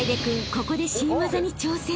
ここで新技に挑戦］